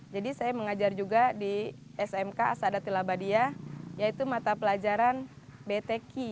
jadi saya mengajar juga di smk asadatul abadiah yaitu mata pelajaran btk